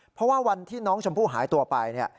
เพราะว่าวันที่น้องชมพู่หายตัวไปเนี่ย